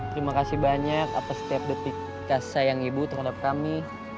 terima kasih banyak atas setiap detik kasih sayang ibu terhadap kami